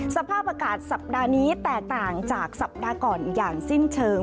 สภาพอากาศสัปดาห์นี้แตกต่างจากสัปดาห์ก่อนอย่างสิ้นเชิง